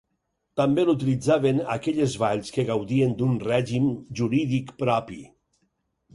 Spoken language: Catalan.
També l'utilitzaven aquelles valls que gaudien d'un règim jurídic propi.